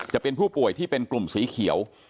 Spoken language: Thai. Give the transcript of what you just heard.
จะเป็นผู้ป่วยที่เป็นกลุ่มสีเขียว